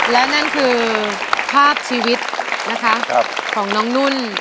และนั่นคือภาพชีวิตนะคะของน้องนุ่น